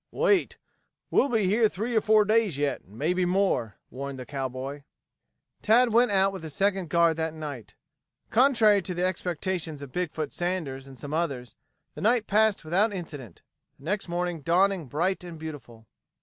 "Wait. We'll be here three or four days yet and mebby more," warned the cowboy. Tad went out with the second guard that night. Contrary to the expectations of Big foot Sanders and some others, the night passed without incident, the next morning dawning bright and beautiful.